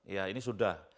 ya ini sudah